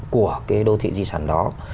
của cái đô thị di sản đó